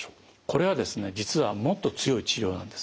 これはですね実はもっと強い治療なんですね。